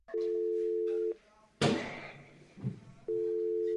Stávala v prostoru bývalého hospodářského dvora.